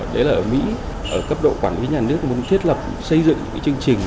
đấy là ở mỹ ở cấp độ quản lý nhà nước muốn thiết lập xây dựng cái chương trình